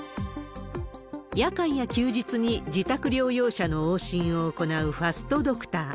夜間や休日に自宅療養者の往診を行うファストドクター。